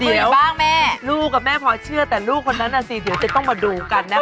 เดี๋ยวลูกกับแม่พอเชื่อแต่ลูกคนนั้นน่ะสิเดี๋ยวจะต้องมาดูกันนะครับ